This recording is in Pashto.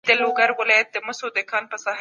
ځینې هېوادونه په نفتو اباد دي.